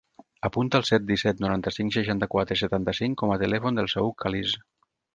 Apunta el set, disset, noranta-cinc, seixanta-quatre, setanta-cinc com a telèfon del Saüc Caliz.